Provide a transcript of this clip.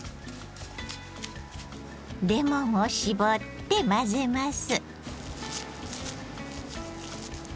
レモンを搾って混ぜます。